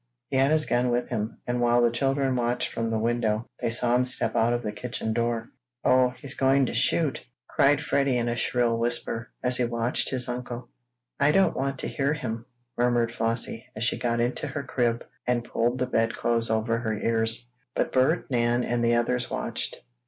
He had his gun with him, and while the children watched from the window, they saw him step out of the kitchen door. "Oh, he's going to shoot!" cried Freddie in a shrill whisper, as he watched his uncle. "I don't want to hear him!" murmured Flossie, as she got into her crib, and pulled the bed clothes over her ears. But Bert, Nan and the others watched.